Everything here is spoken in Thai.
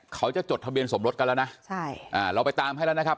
จดทะเบียนสมรสกันแล้วนะใช่อ่าเราไปตามให้แล้วนะครับ